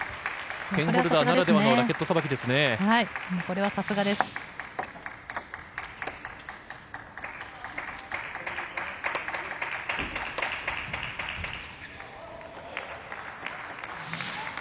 ペンホルダーならではのラケットさばきですね。